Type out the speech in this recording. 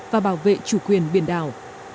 và bảo vệ chủ quyền biển đảo